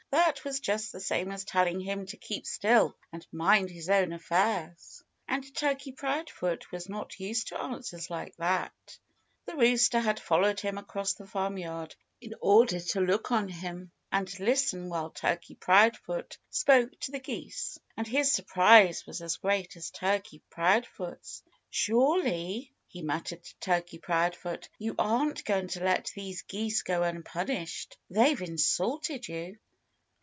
That was just the same as telling him to keep still and mind his own affairs. And Turkey Proudfoot was not used to answers like that. The rooster had followed him across the farmyard in order to look on and listen while Turkey Proudfoot spoke to the geese. And his surprise was as great as Turkey Proudfoot's. "Surely!" he muttered to Turkey Proudfoot, "you aren't going to let these geese go unpunished. They've insulted you."